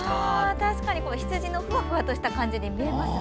確かに羊のふわふわとした感じに見えますね。